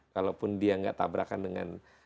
kalaupun dia nggak tabrakan dengan